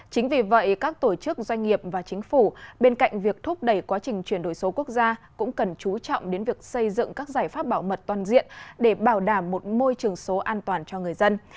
chính vì vậy các tổ chức doanh nghiệp và chính phủ bên cạnh việc thúc đẩy quá trình chuyển đổi số quốc gia cũng cần chú trọng đến việc xây dựng các giải pháp bảo mật toàn diện để bảo đảm một môi trường số an toàn cho người dân